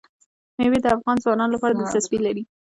مېوې د افغان ځوانانو لپاره دلچسپي لري.